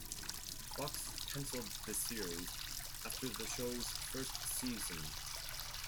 Fox canceled the series after the show's first season.